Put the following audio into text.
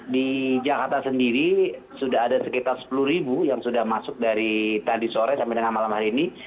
di jakarta sendiri sudah ada sekitar sepuluh ribu yang sudah masuk dari tadi sore sampai dengan malam hari ini